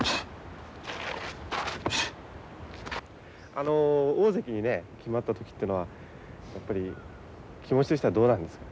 あの大関にね決まった時ってのはやっぱり気持ちとしてはどうなんですか。